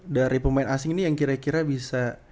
dari pemain asing ini yang kira kira bisa